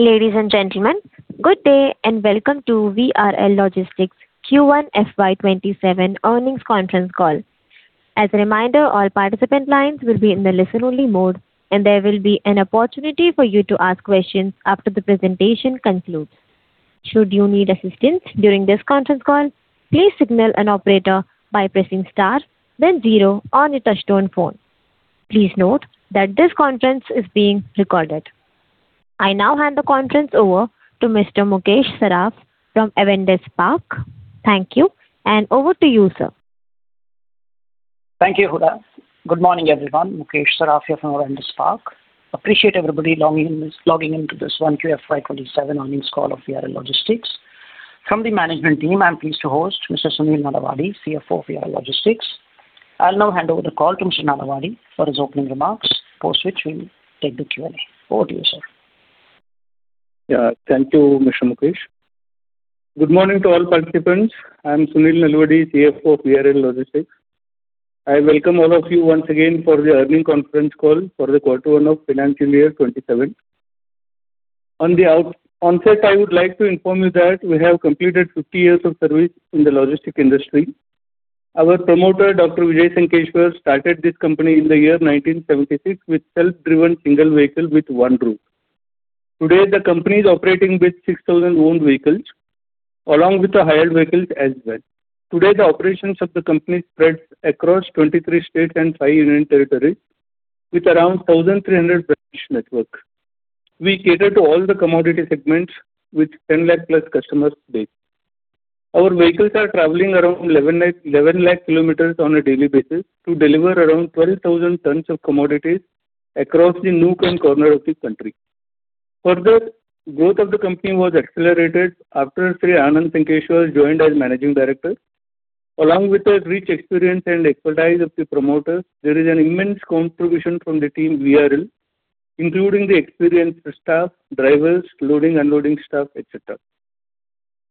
Ladies and gentlemen, good day and welcome to VRL Logistics Q1 FY 2027 Earnings Conference Call. As a reminder, all participant lines will be in the listen-only mode, and there will be an opportunity for you to ask questions after the presentation concludes. Should you need assistance during this conference call, please signal an operator by pressing star then zero on your touch-tone phone. Please note that this conference is being recorded. I now hand the conference over to Mr. Mukesh Saraf from Avendus Spark. Thank you, Over to you, sir. Thank you, Huda. Good morning, everyone. Mukesh Saraf here from Avendus Spark. Appreciate everybody logging in to this Q1 FY 2027 earnings call of VRL Logistics. From the management team, I'm pleased to host Mr. Sunil Nalavadi, CFO of VRL Logistics. I'll now hand over the call to Mr. Nalavadi for his opening remarks, for which we'll take the Q&A. Over to you, sir. Yeah. Thank you, Mr. Mukesh. Good morning to all participants. I'm Sunil Nalavadi, CFO of VRL Logistics. I welcome all of you once again for the earnings conference call for the Q1 of financial year 2027. On the onset, I would like to inform you that we have completed 50 years of service in the logistics industry. Our promoter, Dr. Vijay Sankeshwar, started this company in the year 1976 with self-driven single vehicle with one route. Today, the company's operating with 6,000 owned vehicles, along with the hired vehicles as well. Today, the operations of the company spreads across 23 states and five union territories, with around 1,300 branch network. We cater to all the commodity segments with 10 lakh+ customers base. Growth of the company was accelerated after Sri Anand Sankeshwar joined as Managing Director. Along with the rich experience and expertise of the promoters, there is an immense contribution from the team VRL, including the experienced staff, drivers, loading, unloading staff, et cetera.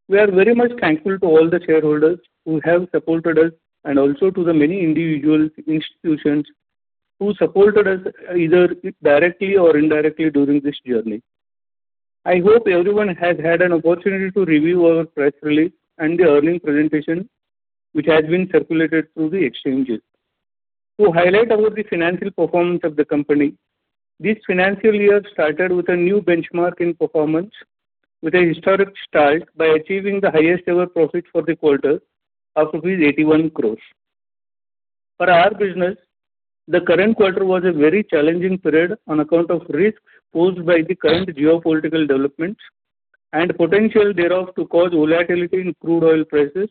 We are very much thankful to all the shareholders who have supported us Also to the many individual institutions who supported us either directly or indirectly during this journey. I hope everyone has had an opportunity to review our press release and the earnings presentation, which has been circulated through the exchanges. To highlight about the financial performance of the company, this financial year started with a new benchmark in performance with a historic start by achieving the highest-ever profit for the quarter of rupees 81 crore. For our business, the current quarter was a very challenging period on account of risk posed by the current geopolitical developments and potential thereof to cause volatility in crude oil prices,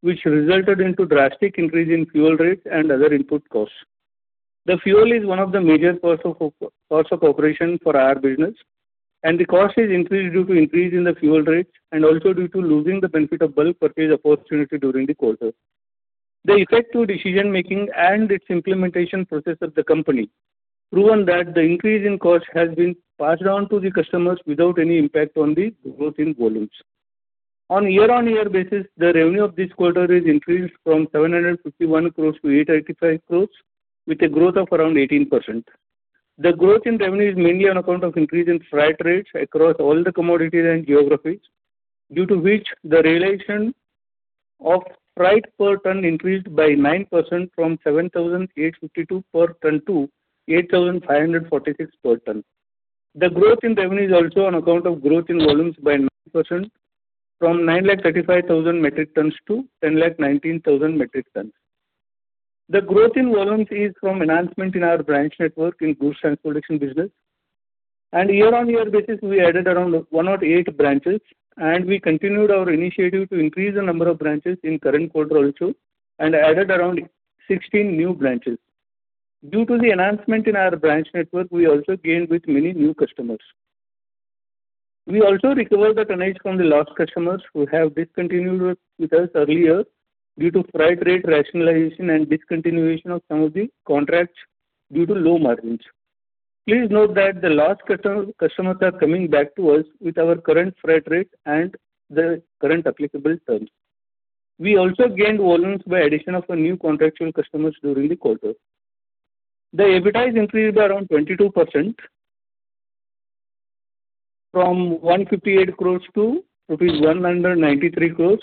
which resulted into drastic increase in fuel rates and other input costs. The fuel is one of the major costs of operation for our business, and the cost is increased due to increase in the fuel rates and also due to losing the benefit of bulk purchase opportunity during the quarter. The effective decision-making and its implementation process of the company proven that the increase in cost has been passed on to the customers without any impact on the growth in volumes. On year-on-year basis, the revenue of this quarter is increased from 751 crore to 885 crore with a growth of around 18%. The growth in revenue is mainly on account of increase in freight rates across all the commodities and geographies, due to which the realization of freight per ton increased by 9% from 7,852 per ton to 8,546 per ton. The growth in revenue is also on account of growth in volumes by 9%, from 935,000 metric tons to 1,019,000 metric tons. The growth in volumes is from enhancement in our branch network in goods transportation business. Year-on-year basis, we added around 108 branches, and we continued our initiative to increase the number of branches in current quarter also and added around 16 new branches. Due to the enhancement in our branch network, we also gained with many new customers. We also recovered the tonnage from the lost customers who have discontinued with us earlier due to freight rate rationalization and discontinuation of some of the contracts due to low margins. Please note that the lost customers are coming back to us with our current freight rate and the current applicable terms. We also gained volumes by addition of new contractual customers during the quarter. The EBITDA has increased by around 22%, from 158 crore to rupees 193 crore,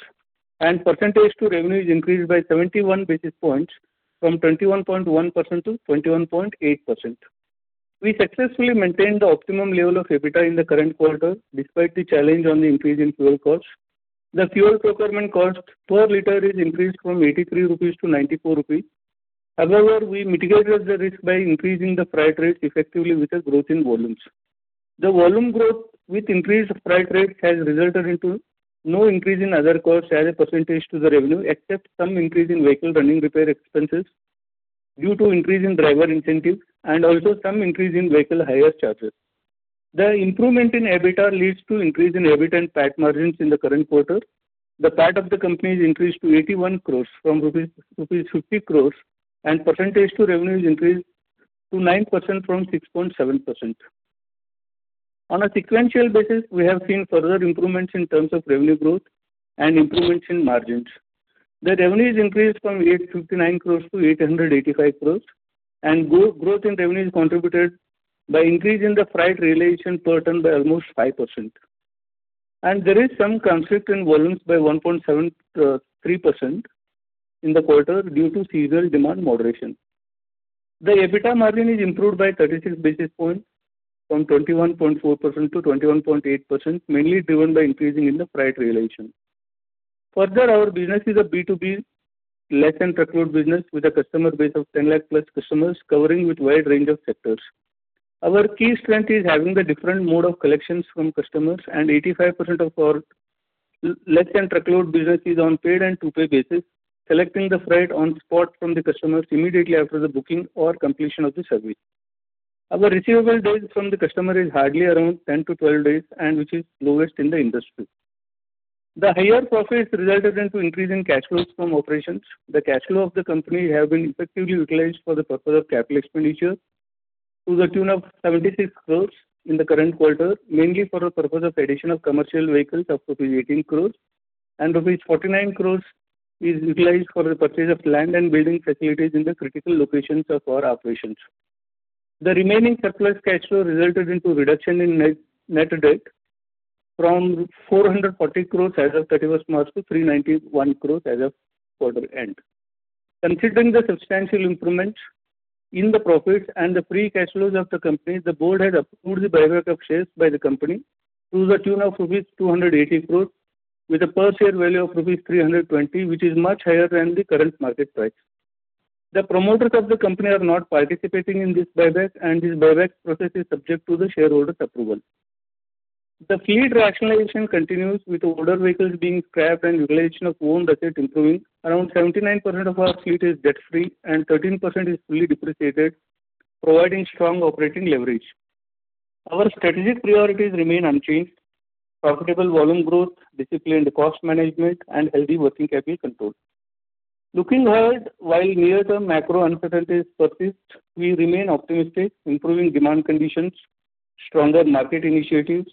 and percentage to revenue is increased by 71 basis points from 21.1% to 21.8%. We successfully maintained the optimum level of EBITDA in the current quarter despite the challenge on the increase in fuel costs. The fuel procurement cost per liter is increased from 83 rupees to 94 rupees. However, we mitigated the risk by increasing the freight rate effectively with a growth in volumes. The volume growth with increased freight rates has resulted into no increase in other costs as a percentage to the revenue except some increase in vehicle running repair expenses due to increase in driver incentive and also some increase in vehicle hire charges. The improvement in EBITDA leads to increase in EBIT and PAT margins in the current quarter. The PAT of the company is increased to 81 crore rupees from rupees 50 crore, and percentage to revenue is increased to 9% from 6.7%. On a sequential basis, we have seen further improvements in terms of revenue growth and improvements in margins. The revenues increased from 859 crore to 885 crore, and growth in revenues contributed by increase in the freight realization per ton by almost 5%. There is some contraction in volumes by 1.73% in the quarter due to seasonal demand moderation. The EBITDA margin is improved by 36 basis points from 21.4% to 21.8%, mainly driven by increasing in the freight realization. Further, our business is a B2B less than truckload business with a customer base of 10 lakh+ customers covering with wide range of sectors. Our key strength is having the different mode of collections from customers and 85% of our less than truckload business is on paid and to pay basis, collecting the freight on spot from the customers immediately after the booking or completion of the service. Our receivable days from the customer is hardly around 10-12 days and which is lowest in the industry. The higher profits resulted into increase in cash flows from operations. The cash flow of the company have been effectively utilized for the purpose of capital expenditure to the tune of 76 crore in the current quarter, mainly for the purpose of addition of commercial vehicles of 18 crore, and rupees 49 crore is utilized for the purchase of land and building facilities in the critical locations of our operations. The remaining surplus cash flow resulted into reduction in net debt from 440 crore as of 31st March to 391 crore as of quarter end. Considering the substantial improvements in the profits and the free cash flows of the company, the board has approved the buyback of shares by the company to the tune of rupees 280 crore with a per share value of rupees 320, which is much higher than the current market price. The promoters of the company are not participating in this buyback. This buyback process is subject to the shareholders' approval. The fleet rationalization continues with older vehicles being scrapped and utilization of own assets improving. Around 79% of our fleet is debt free and 13% is fully depreciated, providing strong operating leverage. Our strategic priorities remain unchanged: profitable volume growth, disciplined cost management and healthy working capital control. Looking ahead, while near term macro uncertainties persist, we remain optimistic, improving demand conditions, stronger market initiatives,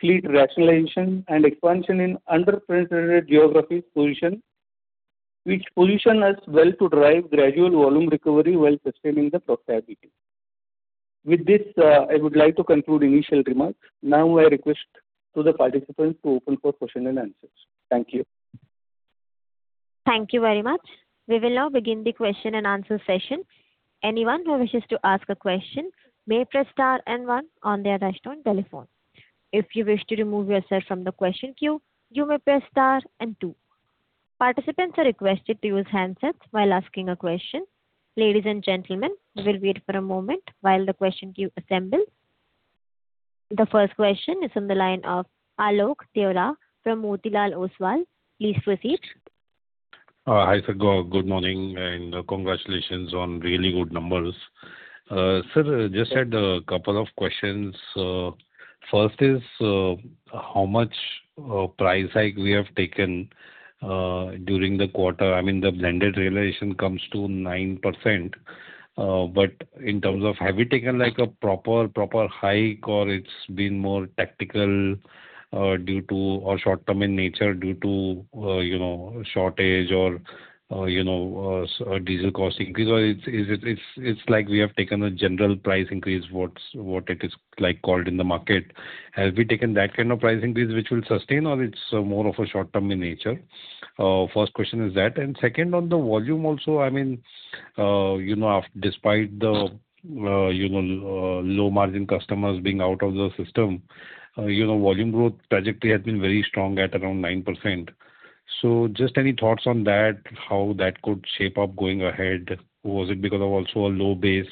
fleet rationalization and expansion in under-penetrated geographies, which position us well to drive gradual volume recovery while sustaining the profitability. With this, I would like to conclude initial remarks. Now I request to the participants to open for question and answers. Thank you. Thank you very much. We will now begin the question and answer session. Anyone who wishes to ask a question may press star and one on their telephone. If you wish to remove yourself from the question queue, you may press star and two. Participants are requested to use handsets while asking a question. Ladies and gentlemen, we'll wait for a moment while the question queue assembles. The first question is on the line of Alok Deora from Motilal Oswal. Please proceed. Hi, sir. Good morning and congratulations on really good numbers. Sir, just had a couple of questions. First is, how much price hike we have taken during the quarter. I mean, the blended realization comes to 9%, but in terms of have we taken like a proper hike or it's been more tactical or short term in nature due to shortage or diesel cost increase? Or it's like we have taken a general price increase, what it is called in the market. Have we taken that kind of price increase which will sustain or it's more of a short term in nature? First question is that. Second, on the volume also, despite the low margin customers being out of the system, volume growth trajectory has been very strong at around 9%. Just any thoughts on that, how that could shape up going ahead? Was it because of also a low base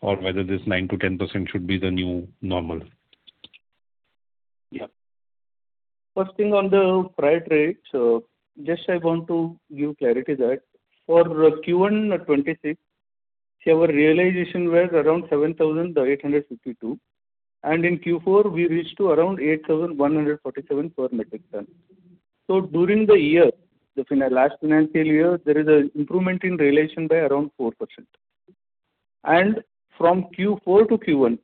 or whether this 9%-10% should be the new normal? First thing on the freight rates, just I want to give clarity that for Q1 FY2026, our realization was around 7,852, and in Q4, we reached to around 8,147 per metric ton. During the year, within the last financial year, there is an improvement in realization by around 4%. From Q4 to Q1,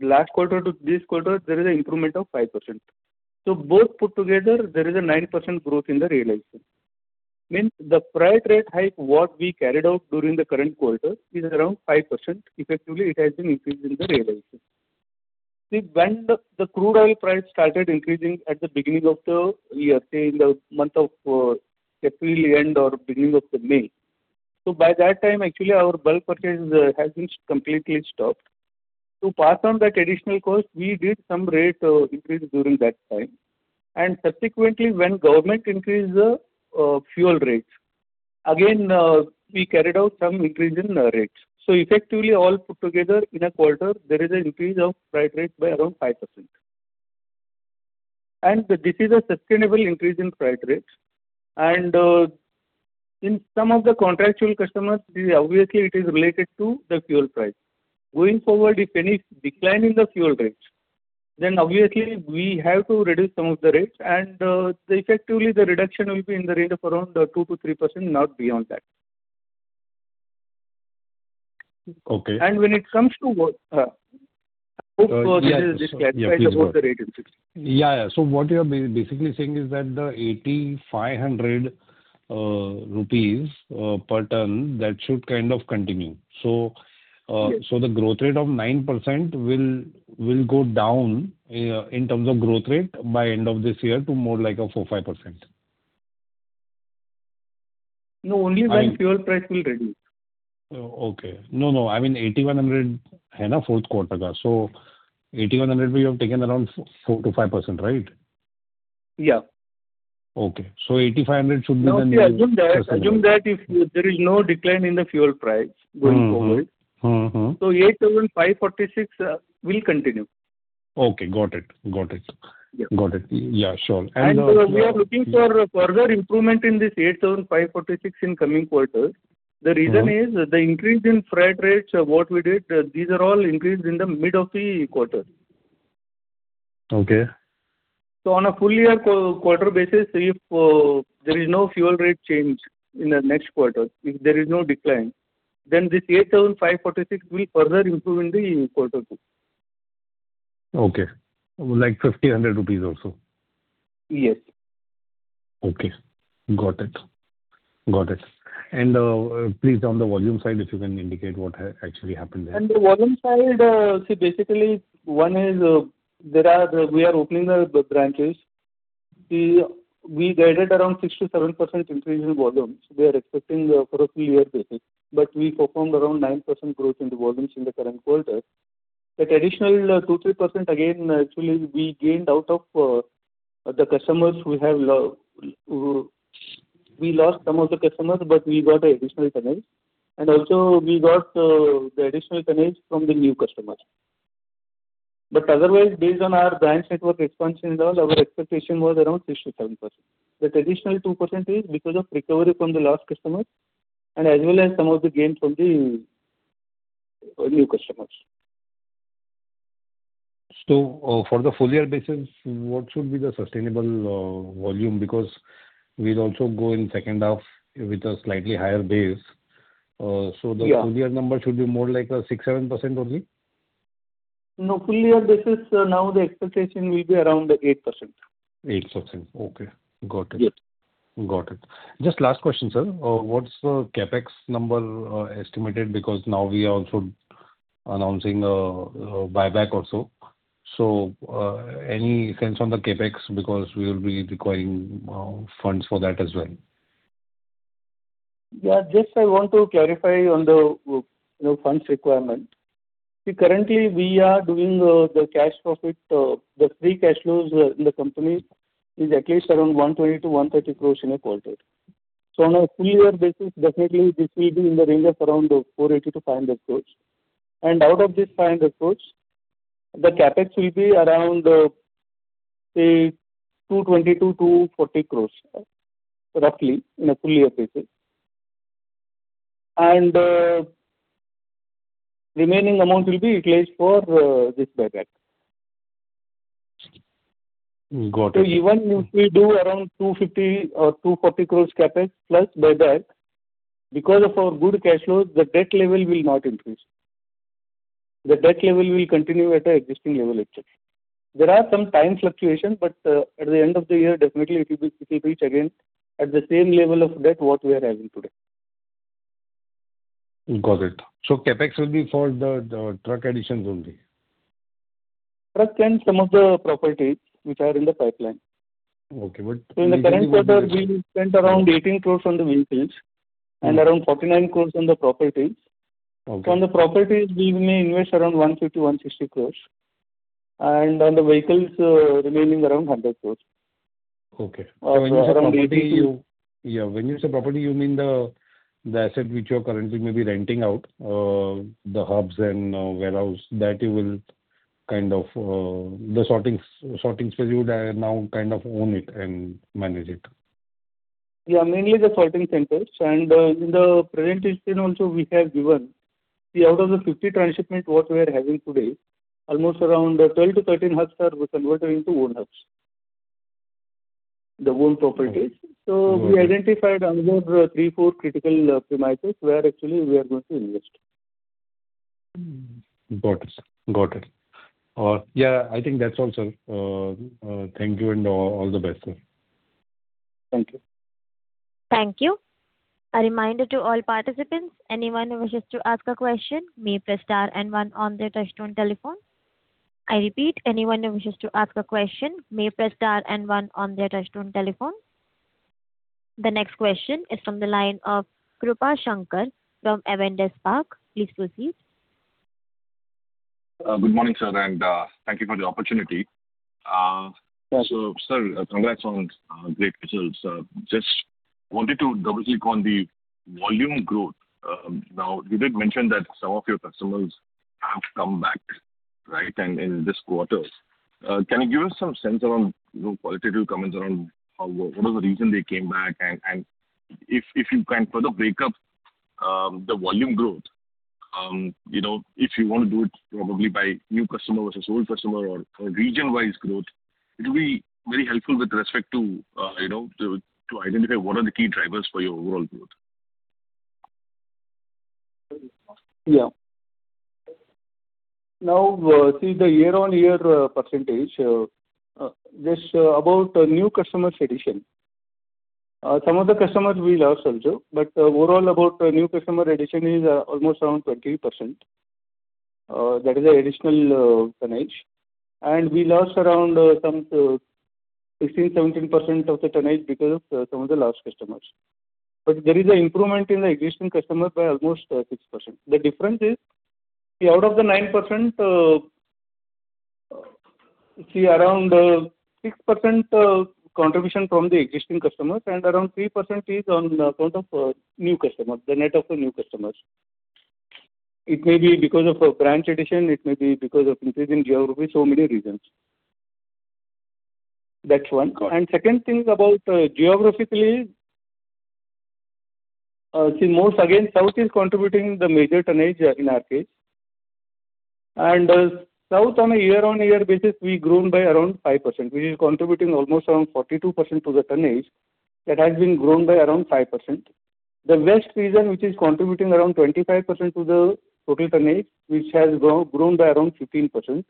last quarter to this quarter, there is an improvement of 5%. Both put together, there is a 9% growth in the realization. Means the freight rate hike what we carried out during the current quarter is around 5%. Effectively, it has been increased in the realization. See, when the crude oil price started increasing at the beginning of the year, say in the month of April end or beginning of the May. By that time, actually, our bulk purchase has been completely stopped. To pass on that additional cost, we did some rate increase during that time. Subsequently, when government increased the fuel rates, again, we carried out some increase in rates. Effectively all put together in a quarter, there is an increase of freight rate by around 5%. This is a sustainable increase in freight rates. In some of the contractual customers, obviously it is related to the fuel price. Going forward, if any decline in the fuel rates, then obviously we have to reduce some of the rates and effectively the reduction will be in the rate of around 2%-3%, not beyond that. Okay When it comes to about the rate increase. Yeah. What you're basically saying is that the 8,500 rupees per ton, that should kind of continue. Yes. The growth rate of 9% will go down in terms of growth rate by end of this year to more like a 4%-5%. No, only when fuel price will reduce. Okay. No, I mean INR 8,100 fourth quarter. INR 8,100 we have taken around 4%-5%, right? Yeah. Okay. INR 8,500 should be the new. Now assume that if there is no decline in the fuel price going forward. 8,546 will continue. Okay. Got it. Yeah. Got it. Yeah, sure. We are looking for further improvement in this 8,546 in coming quarters. The reason is the increase in freight rates, what we did, these are all increased in the mid of the quarter. Okay. On a full year quarter basis, if there is no fuel rate change in the next quarter, if there is no decline, then this 8,546 will further improve in the quarter two. Okay. Like 1,500 rupees or so. Yes. Okay. Got it. Please on the volume side, if you can indicate what actually happened there. On the volume side, see, basically one is we are opening the branches. We guided around 6%-7% increase in volume. We are expecting for a full year basis, but we performed around 9% growth in the volumes in the current quarter. That additional 2%-3% again, actually, we gained out of the customers we have lost. We lost some of the customers, but we got the additional tonnage. Also we got the additional tonnage from the new customers. Otherwise, based on our branch network expansion and all, our expectation was around 6%-7%. That additional 2% is because of recovery from the lost customers and as well as some of the gain from the new customers. For the full year basis, what should be the sustainable volume? Because we'll also go in second half with a slightly higher base. Yeah. The full year number should be more like 6%-7% only. No, full year basis, now the expectation will be around 8%. 8%. Okay. Got it. Yes. Got it. Just last question, sir. What's the CapEx number estimated because now we are also announcing buyback also. Any sense on the CapEx because we will be requiring funds for that as well. Yeah, just I want to clarify on the funds requirement. See, currently we are doing the cash profit. The free cash flows in the company is at least around 120 crore-130 crore in a quarter. On a full year basis, definitely this will be in the range of around 480 crore-500 crore. Out of this 500 crore, the CapEx will be around, say, 220 crore-240 crore, roughly, in a full year basis. Remaining amount will be utilized for this buyback. Got it. Even if we do around 250 or 240 crore CapEx plus buyback, because of our good cash flows, the debt level will not increase. The debt level will continue at an existing level itself. There are some time fluctuations, but at the end of the year, definitely it will reach again at the same level of debt what we are having today. Got it. CapEx will be for the truck additions only. Truck and some of the properties which are in the pipeline. Okay. In the current quarter, we spent around 18 crore on the vehicles and around 49 crore on the properties. Okay. On the properties, we may invest around 150 crore-160 crore, and on the vehicles remaining around 100 crore. Okay. around INR 180 Yeah. When you say property, you mean the asset which you're currently maybe renting out, the hubs and warehouse, the sorting space, you would now kind of own it and manage it. Yeah, mainly the sorting centers. In the presentation also we have given. Out of the 50 transshipment what we are having today, almost around 12-13 hubs are converting to owned hubs, the owned properties. Got it. We identified another three, four critical premises where actually we are going to invest. Got it. Yeah, I think that's all, sir. Thank you and all the best, sir. Thank you. Thank you. A reminder to all participants, anyone who wishes to ask a question may press star and one on their touchtone telephone. I repeat, anyone who wishes to ask a question may press star and one on their touchtone telephone. The next question is from the line of Krupa Shankar from Avendus Spark. Please proceed. Good morning, sir, and thank you for the opportunity. Yes. Sir, congrats on great results. Just wanted to double-check on the volume growth. You did mention that some of your customers have come back, right, in this quarter. Can you give us some sense around qualitative comments around what was the reason they came back? If you can further break up the volume growth. If you want to do it probably by new customer versus old customer or region-wise growth, it will be very helpful with respect to identifying what are the key drivers for your overall growth. See the year-over-year percentage. This is about new customers addition. Some of the customers we lost also, but overall about new customer addition is almost around 20%. That is additional tonnage. We lost around 16%-17% of the tonnage because of some of the lost customers. There is an improvement in the existing customer by almost 6%. The difference is, out of the 9%, around 6% contribution from the existing customers and around 3% is on account of new customers, the net of the new customers. It may be because of branch addition, it may be because of increasing geography, so many reasons. That's one. Second thing is about geographically, again, South is contributing the major tonnage in our case. South on a year-over-year basis, we've grown by around 5%, which is contributing almost around 42% to the tonnage that has been grown by around 5%. The West region, which is contributing around 25% to the total tonnage, which has grown by around 15%.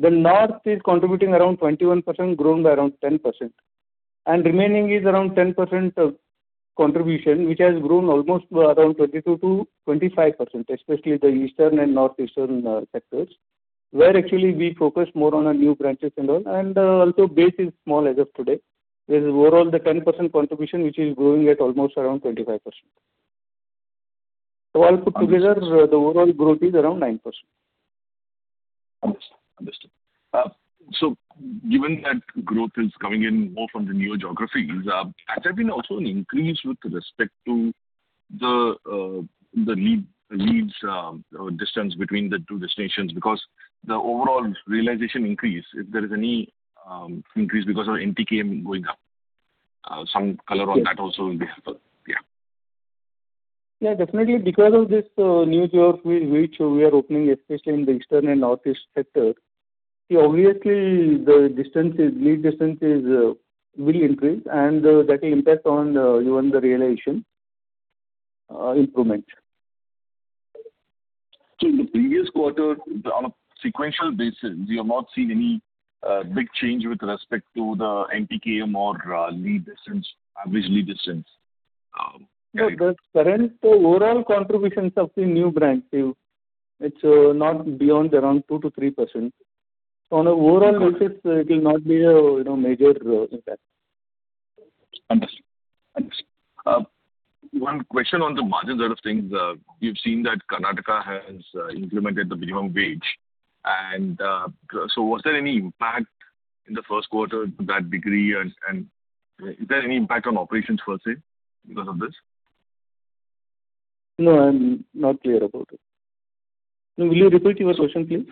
The North is contributing around 21%, grown by around 10%. Remaining is around 10% contribution, which has grown almost around 22%-25%, especially the Eastern and Northeastern sectors, where actually we focus more on our new branches and all, and also base is small as of today. Overall the 10% contribution, which is growing at almost around 25%. All put together. Understood The overall growth is around 9%. Understood. Given that growth is coming in more from the newer geographies, has there been also an increase with respect to the lead distance between the two destinations because the overall realization increase, if there is any increase because of NTKM going up. Some color on that also will be helpful. Yeah. Yeah, definitely because of this new geography which we are opening, especially in the eastern and northeast sector, obviously the lead distance will increase and that will impact on even the realization improvement. In the previous quarter, on a sequential basis, we have not seen any big change with respect to the NTKM or average lead distance. The current overall contributions of the new branch, it's not beyond around 2%-3%. On an overall basis, it will not be a major impact. Understood. One question on the margin side of things. We've seen that Karnataka has implemented the minimum wage. Was there any impact in the first quarter to that degree, and is there any impact on operations per se because of this? No, I'm not clear about it. Will you repeat your question, please?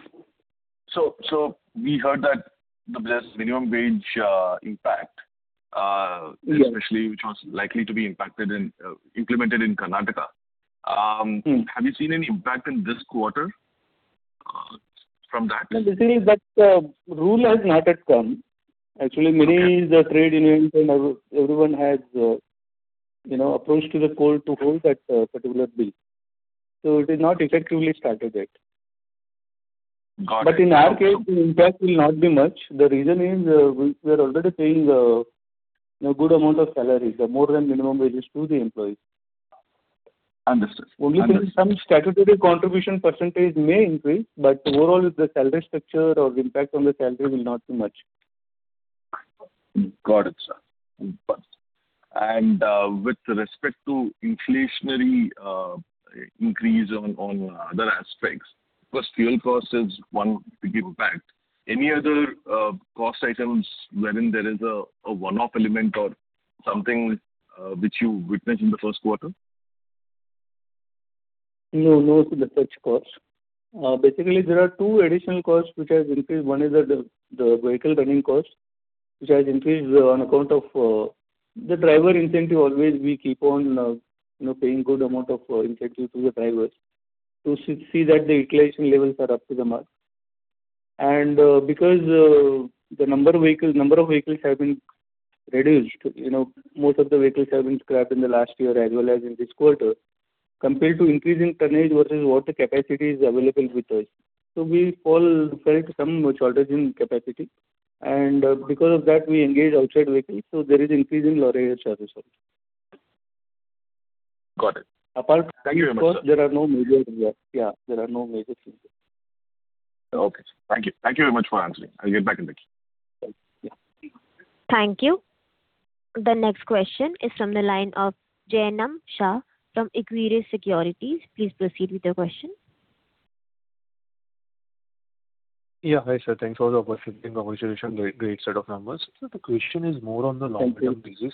We heard that there's minimum wage impact. Yeah especially which was likely to be implemented in Karnataka. Have you seen any impact in this quarter from that? No. The thing is that rule has not yet come. Actually, many trade unions and everyone has approached to the court to hold that particular bill. It has not effectively started yet. Got it. In our case, the impact will not be much. The reason is, we are already paying a good amount of salaries or more than minimum wages to the employees. Understood. Only thing, some statutory contribution percentage may increase, but overall, the salary structure or impact on the salary will not be much. Got it, sir. With respect to inflationary increase on other aspects, of course, fuel cost is one big impact. Any other cost items wherein there is a one-off element or something which you witnessed in the first quarter? No, sir. Such costs. Basically, there are two additional costs which have increased. One is the vehicle running cost, which has increased on account of the driver incentive. Always, we keep on paying good amount of incentive to the drivers to see that the utilization levels are up to the mark. Because the number of vehicles have been reduced, most of the vehicles have been scrapped in the last year as well as in this quarter. Compared to increase in tonnage versus what the capacity is available with us. We felt some shortage in capacity, and because of that, we engaged outside vehicles. There is increase in hire charges also. Got it. Apart- Thank you very much, sir. From cost, there are no major impacts. Yeah, there are no major impacts. Okay. Thank you. Thank you very much for answering. I'll get back in queue. Yeah. Thank you. The next question is from the line of Jainam Shah from Equirus Securities. Please proceed with your question. Yeah. Hi, sir. Thanks for the opportunity. Congratulations. Great set of numbers. Sir, the question is more on the long-term basis.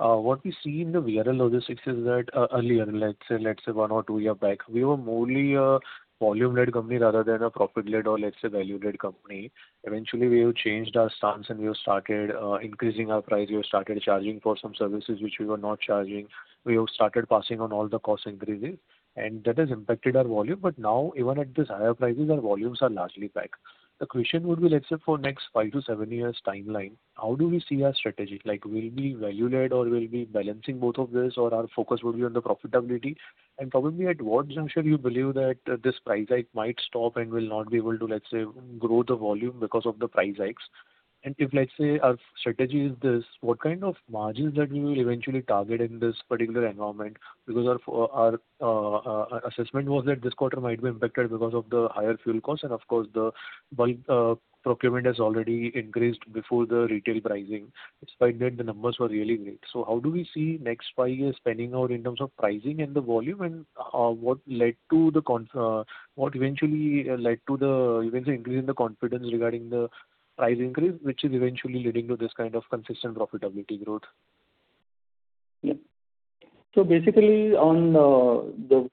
Thank you. What we see in the VRL Logistics is that earlier, let's say one or two year back, we were mainly a volume-led company rather than a profit-led or let's say value-led company. Eventually, we have changed our stance and we have started increasing our price. We have started charging for some services which we were not charging. We have started passing on all the cost increases, that has impacted our volume. Now even at this higher prices, our volumes are largely back. The question would be, let's say for next five to seven years timeline, how do we see our strategy? Will it be value-led or we'll be balancing both of this or our focus would be on the profitability? Probably at what juncture do you believe that this price hike might stop and will not be able to, let's say, grow the volume because of the price hikes? If, let's say, our strategy is this, what kind of margins that we will eventually target in this particular environment? Because our assessment was that this quarter might be impacted because of the higher fuel costs and of course the bulk procurement has already increased before the retail pricing. Despite that, the numbers were really great. How do we see next five years panning out in terms of pricing and the volume, and what eventually led to the increase in the confidence regarding the price increase, which is eventually leading to this kind of consistent profitability growth? Basically, on the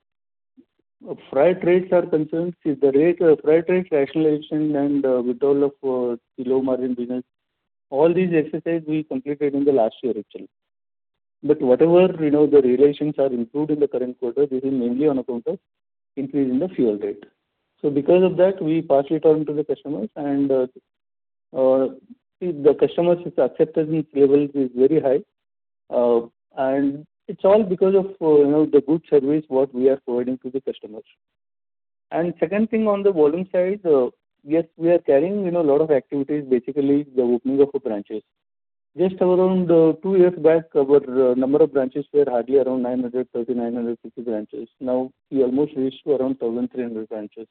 freight rates are concerned, the freight rate rationalization and withdrawal of low margin business, all these exercises we completed in the last year, actually. Whatever the relations are improved in the current quarter is mainly on account of increase in the fuel rate. Because of that, we pass it on to the customers and the customers acceptance level is very high. It's all because of the good service what we are providing to the customers. Second thing on the volume side, yes, we are carrying a lot of activities, basically the opening of branches. Just around two years back, our number of branches were hardly around 939, 950 branches. Now we almost reached to around 1,300 branches.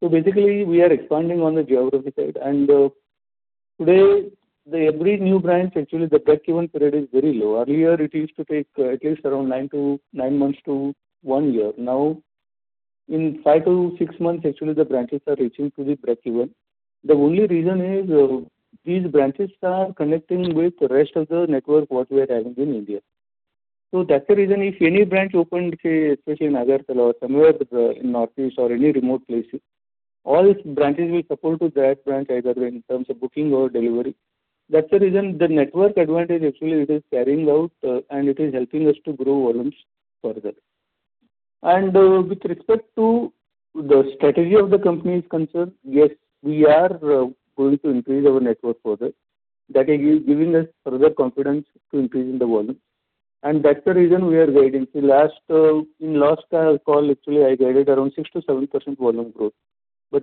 Basically we are expanding on the geography side, and today, every new branch, actually, the breakeven period is very low. Earlier it used to take at least around nine months to one year. Now, in five to six months, actually, the branches are reaching to the breakeven. The only reason is these branches are connecting with rest of the network, what we are having in India. That's the reason if any branch opened, say, especially in Agartala or somewhere in northeast or any remote places, all branches will support to that branch either way in terms of booking or delivery. That's the reason the network advantage actually it is carrying out and it is helping us to grow volumes further. With respect to the strategy of the company is concerned, yes, we are going to increase our network further. That is giving us further confidence to increase in the volume. That's the reason we are guiding. In last call, actually, I guided around 6% to 7% volume growth.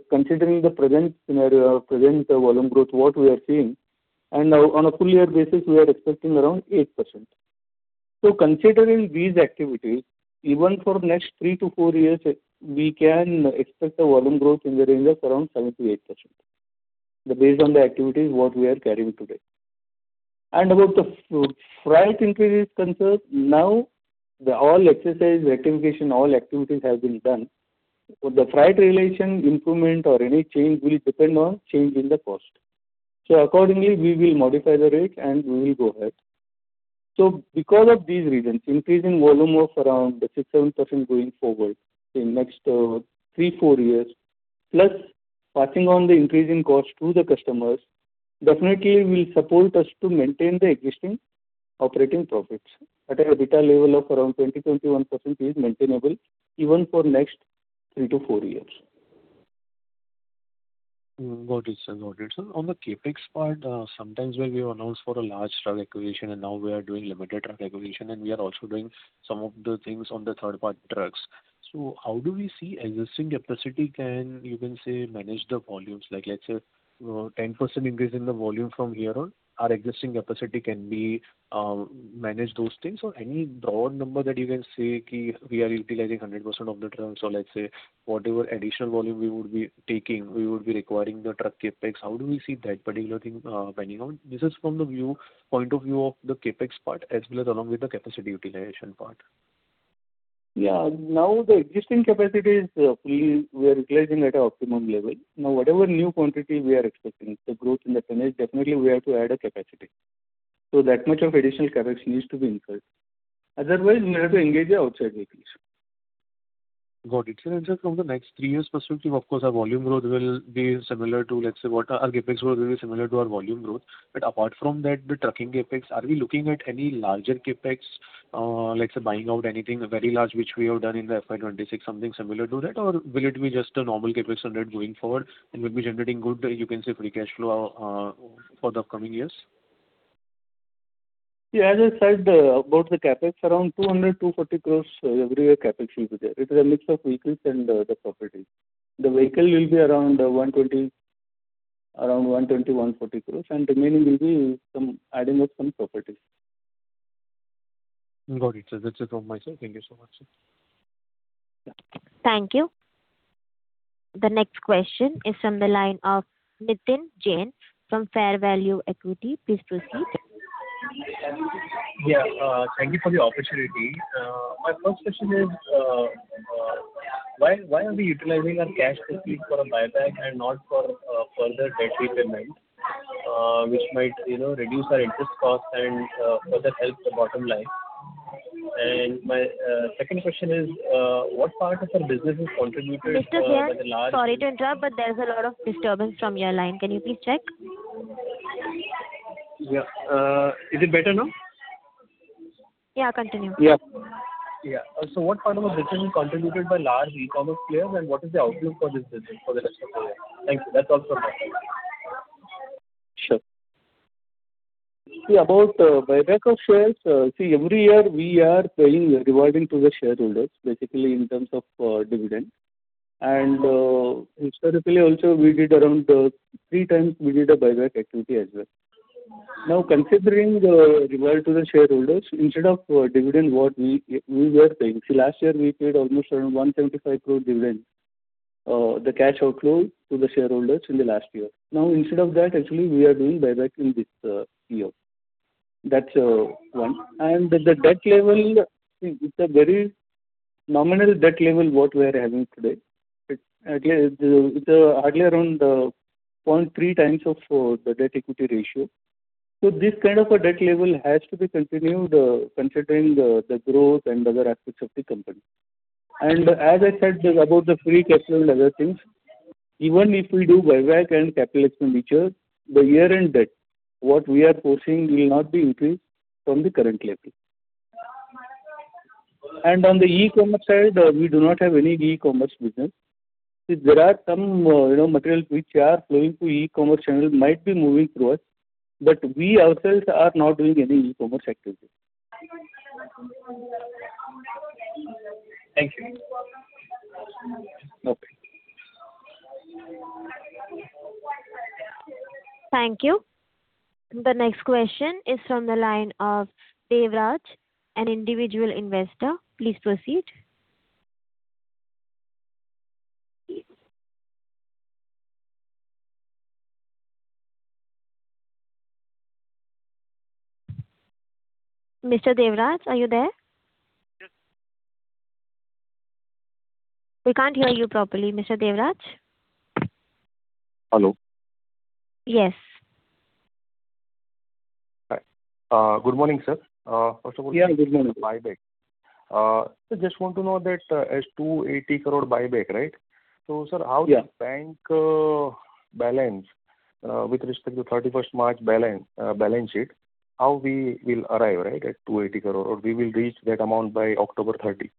Considering the present scenario, present volume growth, what we are seeing, and on a full year basis, we are expecting around 8%. Considering these activities, even for next three to four years, we can expect a volume growth in the range of around 7%-8%. Based on the activities what we are carrying today. About the freight increase is concerned, now all exercise rationalization, all activities have been done. The freight relation improvement or any change will depend on change in the cost. Accordingly, we will modify the rate and we will go ahead. Because of these reasons, increasing volume of around 6%-7% going forward in next three, four years, plus passing on the increase in cost to the customers definitely will support us to maintain the existing operating profits at an EBITDA level of around 20%-21% is maintainable even for next three to four years. Got it, sir. On the CapEx part, sometimes when we announce for a large truck acquisition and now we are doing limited truck acquisition and we are also doing some of the things on the third-party trucks. How do we see existing capacity can, you can say, manage the volumes, like let's say, 10% increase in the volume from here on our existing capacity can be manage those things or any broad number that you can say we are utilizing 100% of the trucks or let's say whatever additional volume we would be taking, we would be requiring the truck CapEx. How do we see that particular thing panning out? This is from the point of view of the CapEx part as well as along with the capacity utilization part. Yeah. Now the existing capacity is fully we are utilizing at an optimum level. Now whatever new quantity we are expecting, the growth in the tonnage, definitely we have to add a capacity. That much of additional CapEx needs to be incurred. Otherwise, we have to engage the outside vehicles. Got it, sir. Sir from the next three years' perspective, of course, our volume growth will be similar to, let's say what our CapEx growth will be similar to our volume growth. Apart from that, the trucking CapEx, are we looking at any larger CapEx, let's say buying out anything very large, which we have done in the FY 2026, something similar to that? Will it be just a normal CapEx going forward and we'll be generating good, you can say free cash flow for the upcoming years? As I said about the CapEx, around 200 crore-240 crore every year CapEx will be there. It is a mix of vehicles and the property. The vehicle will be around 120 crore-140 crore, and remaining will be some adding of some property. Got it, sir. That's it from my side. Thank you so much, sir. Thank you. The next question is from the line of Nitin Jain from Fair Value Equity. Please proceed. Yeah. Thank you for the opportunity. My first question is why are we utilizing our cash proceeds for a buyback and not for further debt repayment, which might reduce our interest cost and further help the bottom line? My second question is, what part of our business is contributed- Mr. Jain, sorry to interrupt, there is a lot of disturbance from your line. Can you please check? Yeah. Is it better now? Yeah, continue. What part of the business is contributed by large e-commerce players and what is the outlook for this business for the rest of the year? Thank you. That's all from my side. Sure. See, about buyback of shares, every year we are paying, rewarding to the shareholders, basically in terms of dividend. Historically also, we did around three times, we did a buyback activity as well. Considering the reward to the shareholders, instead of dividend what we were paying. Last year, we paid almost around 175 crore dividend, the cash outflow to the shareholders in the last year. Instead of that, actually, we are doing buyback in this year. That's one. The debt level, it's a very nominal debt level what we are having today. It's hardly around 0.3x of the debt equity ratio. This kind of a debt level has to be continued, considering the growth and other aspects of the company. As I said, about the free cash flow and other things, even if we do buyback and capital expenditure, the year-end debt, what we are foresee will not be increased from the current level. On the e-commerce side, we do not have any e-commerce business. There are some materials which are flowing through e-commerce channels might be moving through us, but we ourselves are not doing any e-commerce activity. Thank you. Thank you. The next question is from the line of Devraj, an individual investor. Please proceed. Mr. Devraj, are you there? We can't hear you properly, Mr. Devraj. Hello. Yes. Hi. Good morning, sir. Yeah, good morning. First of all, buyback. Just want to know that as 280 crore buyback, right? Sir, Yeah the bank balance with respect to 31st March balance sheet, how we will arrive, right, at 280 crore, or we will reach that amount by October 30?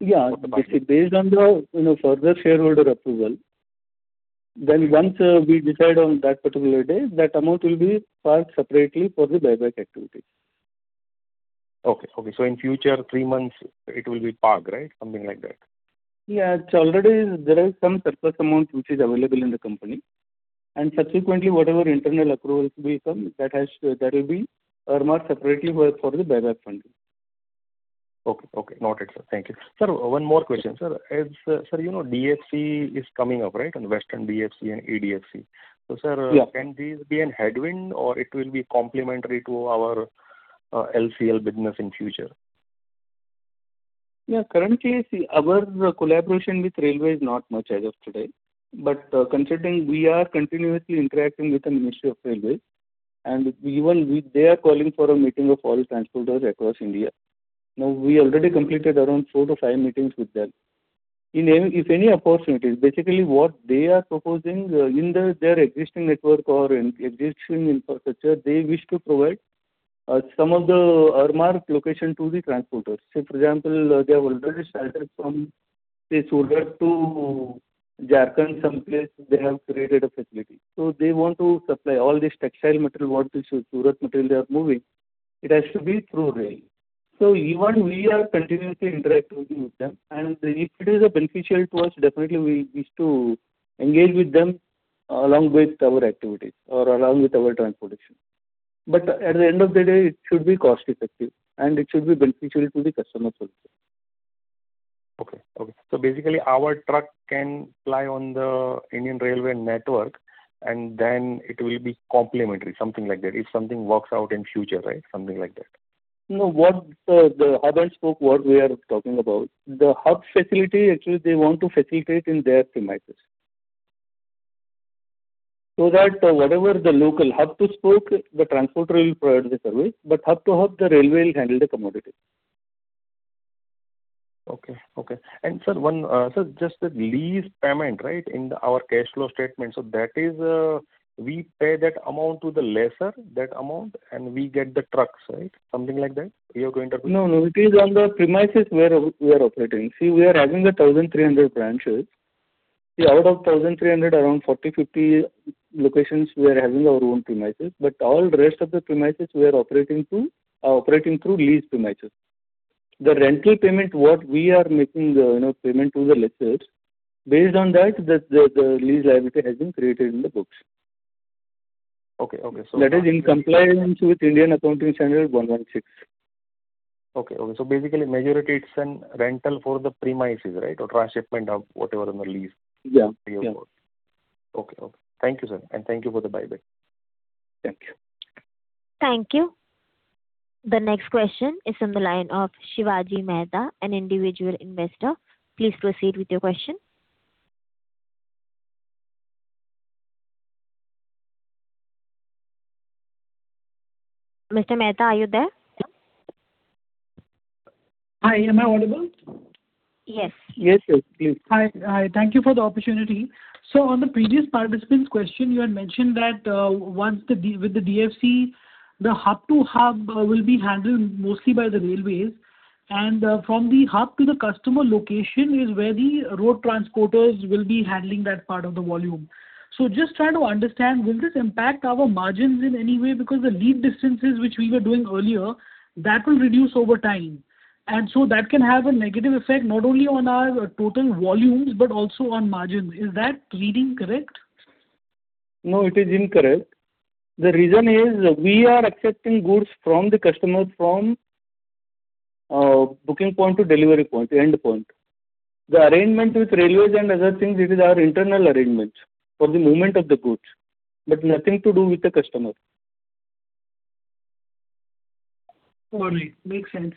Based on the further shareholder approval, once we decide on that particular day, that amount will be parked separately for the buyback activity. Okay. In future, three months, it will be parked, right? Something like that. Yeah. Already there is some surplus amount which is available in the company, subsequently, whatever internal approvals will come, that will be earmarked separately for the buyback funding. Okay. Noted, sir. Thank you. Sir, one more question. Sir, you know DFC is coming up, right? Western DFC and EDFC. Sir- Yeah Can this be a headwind or it will be complementary to our LTL business in future? Currently, our collaboration with railway is not much as of today. Considering we are continuously interacting with the Ministry of Railways, and even they are calling for a meeting of all transporters across India. We already completed around four to five meetings with them. If any opportunities, basically, what they are proposing in their existing network or existing infrastructure, they wish to provide some of the earmarked locations to the transporters. Say, for example, they have already started from, say, Surat to Jharkhand some place they have created a facility. They want to supply all this textile material, what the Surat material they are moving, it has to be through rail. Even we are continuously interacting with them, and if it is beneficial to us, definitely we wish to engage with them along with our activities or along with our transportation. At the end of the day, it should be cost-effective and it should be beneficial to the customers also. Basically, our truck can ply on the Indian Railways network and then it will be complementary, something like that. If something works out in future, right? Something like that. No. The hub-and-spoke what we are talking about. The hub facility, actually, they want to facilitate in their premises. Whatever the local hub to spoke, the transporter will provide the service, but hub to hub, the railway will handle the commodity. Okay. Sir, just that lease payment, right, in our cash flow statement. That is, we pay that amount to the lessor, that amount, and we get the trucks, right? Something like that we are going to be- No, no. It is on the premises where we are operating. See, we are having the 1,300 branches. See, out of 1,300, around 40-50 locations we are having our own premises, but all rest of the premises we are operating through lease premises. The rental payment what we are making payment to the lessors, based on that, the lease liability has been created in the books. Okay. That is in compliance with Indian Accounting Standard 116. Okay. Basically, majority it's a rental for the premises, right? Or transshipment hub, whatever on the lease. Yeah. Okay. Thank you, sir. Thank you for the buyback. Thank you. Thank you. The next question is from the line of Shivaji Mehta, an individual investor. Please proceed with your question. Mr. Mehta, are you there? Hi, am I audible? Yes. Yes, sir. Please. Hi. Thank you for the opportunity. On the previous participant's question, you had mentioned that with the DFC, the hub to hub will be handled mostly by the railways, and from the hub to the customer location is where the road transporters will be handling that part of the volume. Just trying to understand, will this impact our margins in any way? Because the lead distances which we were doing earlier, that will reduce over time. That can have a negative effect, not only on our total volumes, but also on margins. Is that reading correct? No, it is incorrect. The reason is we are accepting goods from the customer from booking point to delivery point, the end point. The arrangement with railways and other things, it is our internal arrangements for the movement of the goods, but nothing to do with the customer. All right. Makes sense.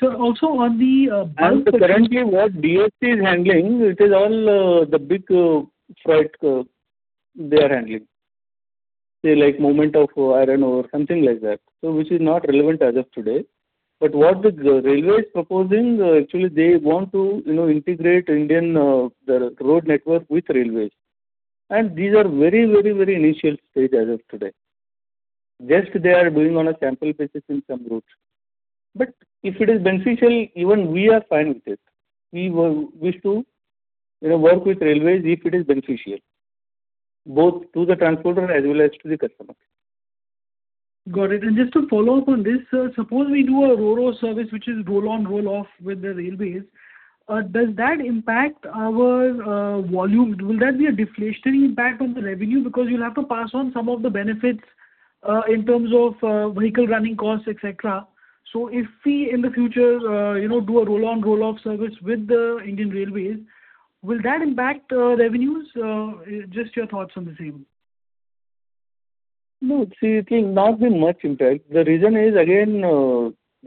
Sir, also on the. Currently what DFC is handling, it is all the big freight they are handling. Say like movement of iron ore, something like that. Which is not relevant as of today. What the Railways proposing, actually they want to integrate Indian road network with Railways. These are very initial stage as of today. Just they are doing on a sample basis in some routes. If it is beneficial, even we are fine with it. We wish to work with Railways if it is beneficial, both to the transporter as well as to the customer. Got it. Just to follow up on this, sir, suppose we do a Ro-Ro service, which is roll on roll off with the Railways, does that impact our volume? Will that be a deflationary impact on the revenue? Because you will have to pass on some of the benefits, in terms of vehicle running costs, et cetera. If we in the future do a roll on roll off service with the Indian Railways, will that impact revenues? Just your thoughts on the same. No. See, it will not be much impact. The reason is again,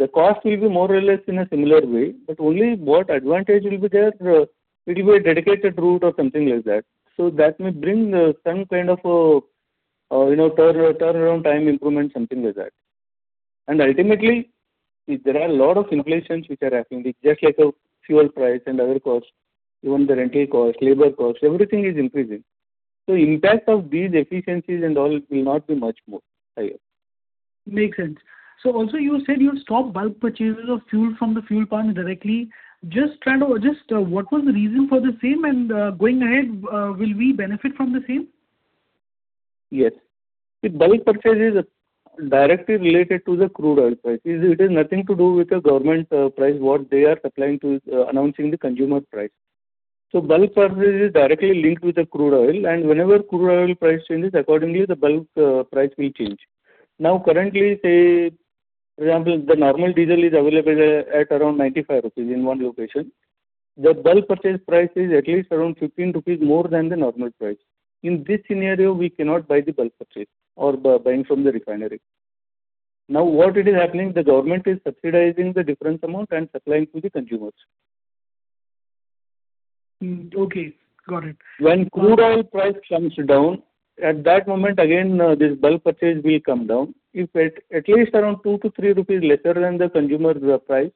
the cost will be more or less in a similar way, but only what advantage will be there, it will be a dedicated route or something like that. Ultimately, there are a lot of inflations which are happening, just like fuel price and other costs, even the rental cost, labor cost, everything is increasing. Impact of these efficiencies and all will not be much more higher. Makes sense. Also you said you’ll stop bulk purchases of fuel from the fuel pump directly. Just what was the reason for the same, and going ahead, will we benefit from the same? Yes. See, bulk purchase is directly related to the crude oil price. It has nothing to do with the government price, what they are supplying to, announcing the consumer price. Bulk purchase is directly linked with the crude oil, whenever crude oil price changes, accordingly, the bulk price will change. Currently, say, for example, the normal diesel is available at around 95 rupees in one location. The bulk purchase price is at least around 15 rupees more than the normal price. In this scenario, we cannot buy the bulk purchase or buying from the refinery. What it is happening, the government is subsidizing the difference amount and supplying to the consumers. Okay. Got it. When crude oil price comes down, at that moment again, this bulk purchase will come down. If at least around 2-3 rupees lesser than the consumer price,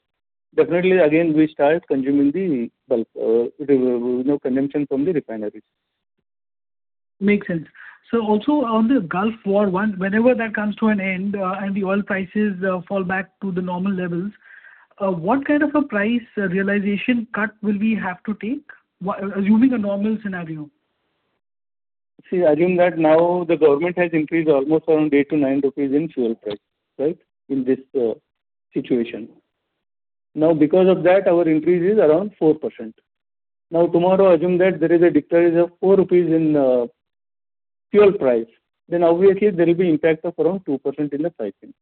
definitely again, we start consuming the bulk, consumption from the refineries. Makes sense. Also on the Gulf War, whenever that comes to an end and the oil prices fall back to the normal levels, what kind of a price realization cut will we have to take, assuming a normal scenario? Assume that now the government has increased almost around 8-9 rupees in fuel price, right, in this situation. Because of that, our increase is around 4%. Tomorrow, assume that there is a decrease of 4 rupees in fuel price, obviously there will be impact of around 2% in the pricing.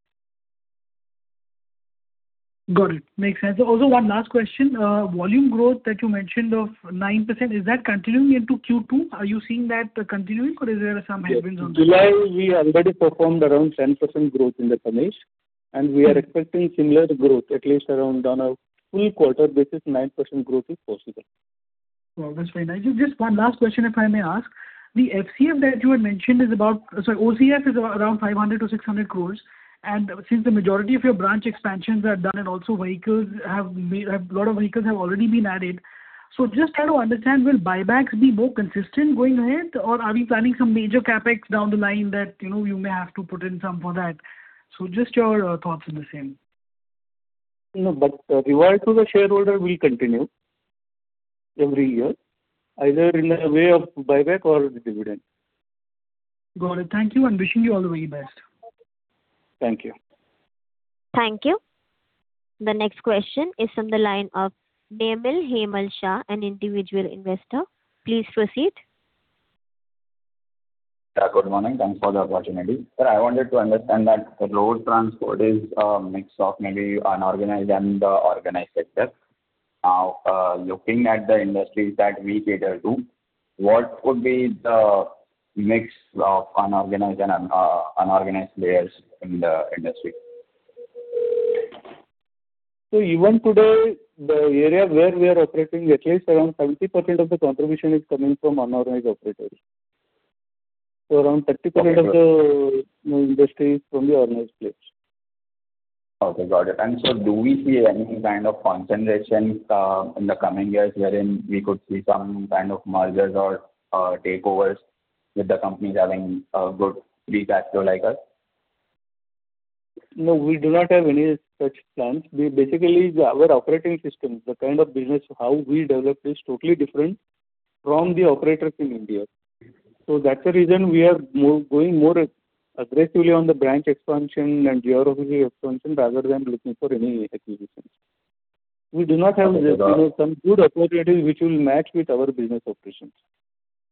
Got it. Makes sense. Also one last question. Volume growth that you mentioned of 9%, is that continuing into Q2? Are you seeing that continuing, or is there some headwinds on that? July, we already performed around 10% growth in the tonnage, and we are expecting similar growth, at least around on a full quarter basis, 9% growth is possible. Wow, that's very nice. Just one last question, if I may ask. The OCF that you had mentioned is around 500 crore-600 crore. Since the majority of your branch expansions are done and also a lot of vehicles have already been added, just trying to understand, will buybacks be more consistent going ahead, or are we planning some major CapEx down the line that you may have to put in some for that? Just your thoughts on the same. Reward to the shareholder will continue every year, either in the way of buyback or the dividend. Got it. Thank you. Wishing you all the very best. Thank you. Thank you. The next question is on the line of Nemil Hemal Shah, an individual investor. Please proceed. Yeah, good morning. Thanks for the opportunity. Sir, I wanted to understand that road transport is a mix of maybe unorganized and organized sector. Looking at the industries that we cater to, what would be the mix of unorganized and organized players in the industry? Even today, the area where we are operating, at least around 30% of the contribution is coming from unorganized operators. Around 30% of the industry is from the organized players. Okay, got it. Do we see any kind of concentration in the coming years wherein we could see some kind of mergers or takeovers with the companies having a good free cash flow like us? No, we do not have any such plans. Basically, our operating system, the kind of business, how we develop is totally different from the operators in India. That's the reason we are going more aggressively on the branch expansion and geography expansion rather than looking for any acquisitions. We do not have some good opportunities which will match with our business operations.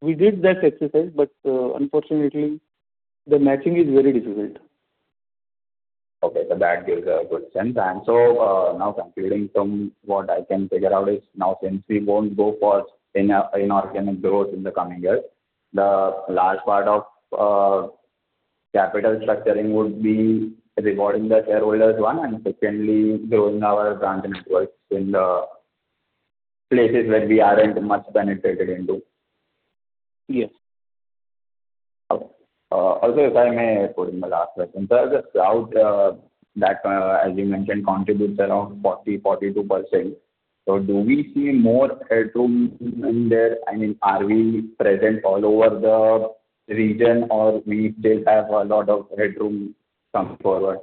We did that exercise, but unfortunately, the matching is very difficult. Okay. That gives a good sense. Now concluding from what I can figure out is now since we won't go for inorganic growth in the coming years, the large part of capital structuring would be rewarding the shareholders, one, and secondly, growing our brand networks in the places where we aren't much penetrated into. Yes. Okay. Also, if I may put in the last question. The South, as you mentioned, contributes around 40%-42%. Do we see more headroom in there? I mean, are we present all over the region or we still have a lot of headroom going forward?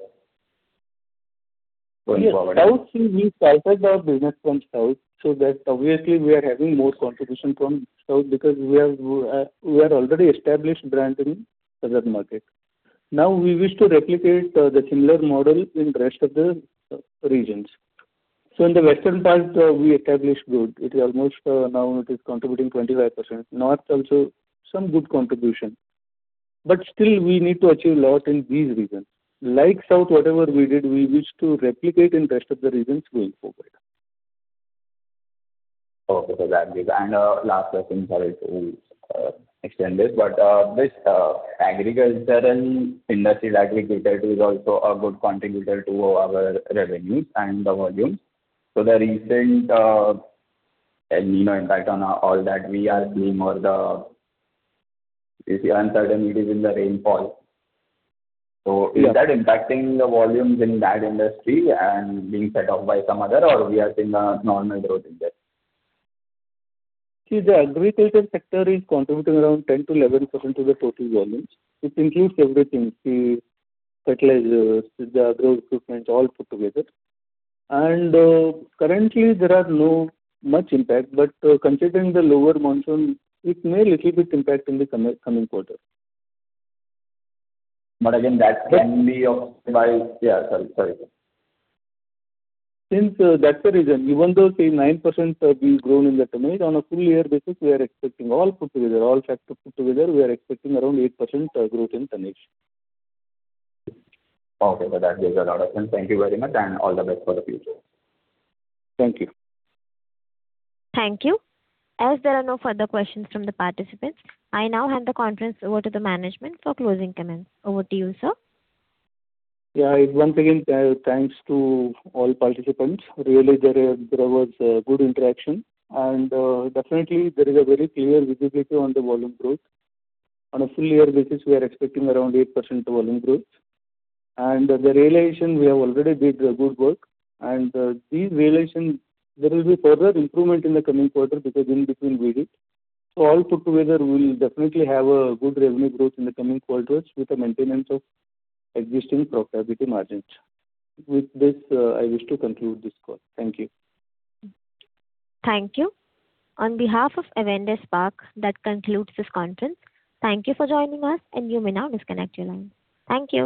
Yes. South, see, we started our business from South, so that obviously we are having more contribution from South because we are already established brand in southern market. Now we wish to replicate the similar model in rest of the regions. In the western part, we established good. It almost now it is contributing 25%. North also, some good contribution, but still we need to achieve a lot in these regions. Like South, whatever we did, we wish to replicate in rest of the regions going forward. Okay. Last question. Sorry to extend this agricultural industry aggregator is also a good contributor to our revenues and the volume. The recent El Niño impact on all that we are seeing or if the uncertainty is in the rainfall. Is that impacting the volumes in that industry and being set off by some other, or we are seeing a normal growth in that? The agriculture sector is contributing around 10%-11% to the total volumes, which includes everything. Fertilizers, the agro equipment, all put together. Currently there are no much impact, considering the lower monsoon, it may little bit impact in the coming quarter. Again, that can be offset by sorry. Since that's the reason, even though say 9% have been grown in the tonnage, on a full-year basis, we are expecting all put together, all factors put together, we are expecting around 8% growth in tonnage. Okay. That gives a lot of sense. Thank you very much and all the best for the future. Thank you. Thank you. As there are no further questions from the participants, I now hand the conference over to the management for closing comments. Over to you, sir. Yeah. Once again, thanks to all participants. Really, there was a good interaction and definitely there is a very clear visibility on the volume growth. On a full year basis, we are expecting around 8% volume growth. The realization we have already did good work and these realization, there will be further improvement in the coming quarter because in between we did. All put together, we will definitely have a good revenue growth in the coming quarters with the maintenance of existing profitability margins. With this, I wish to conclude this call. Thank you. Thank you. On behalf of Avendus Spark, that concludes this conference. Thank you for joining us, and you may now disconnect your line. Thank you.